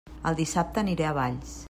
El dissabte aniré a Valls!